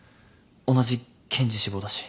同じ検事志望だし。